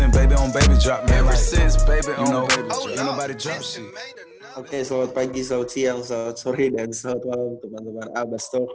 dan selamat malam teman teman abastok